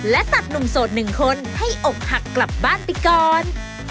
และตัดหนุ่มโสดหนึ่งคนให้อกหักกลับบ้านไปก่อน